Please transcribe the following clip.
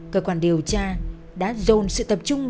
cơ quan điều tra đã dồn sự tập trung